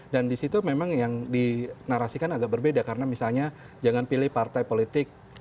dan disitu memang yang dinarasikan agak berbeda karena misalnya jangan pilih partai politik